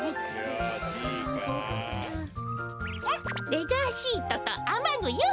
レジャーシートとあまぐよし！